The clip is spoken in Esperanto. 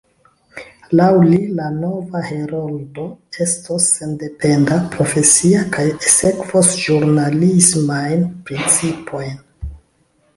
Laŭ li la nova Heroldo estos sendependa, profesia, kaj sekvos ĵurnalismajn principojn.